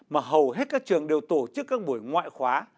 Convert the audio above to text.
mà hầu hết các trường đều tổ chức các buổi ngoại khóa